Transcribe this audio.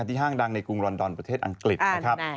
ห้างดังในกรุงลอนดอนประเทศอังกฤษนะครับ